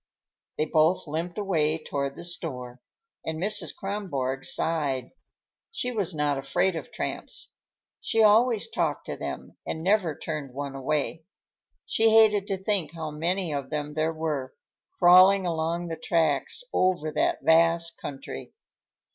They both limped away toward the store, and Mrs. Kronborg sighed. She was not afraid of tramps. She always talked to them, and never turned one away. She hated to think how many of them there were, crawling along the tracks over that vast country.